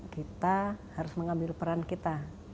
kita harus mengambil peran kita